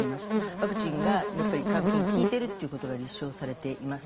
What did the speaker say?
ワクチンが比較的効いているということが立証されています。